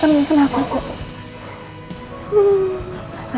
terima kasih promised